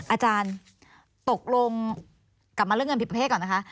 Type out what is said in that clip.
อาจารย์ตกลงกลับมาเรื่องเงินผิดประเภทก่อนนะคะ